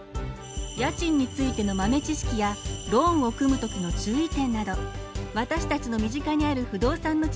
家賃についての豆知識やローンを組む時の注意点など私たちの身近にある不動産の知識が満載です。